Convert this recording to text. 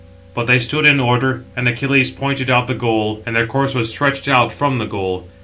But they stood in order, and Achilles pointed out the goal; and their course was stretched out from the goal.